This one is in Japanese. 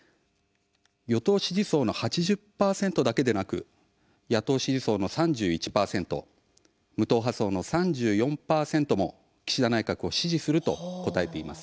与党支持層の８０％だけでなく野党支持層の３１％無党派層の３４％も岸田内閣を支持すると答えています。